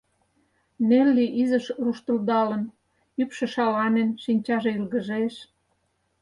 Нелли изиш руштылдалын, ӱпшӧ шаланен, шинчаже йылгыжеш.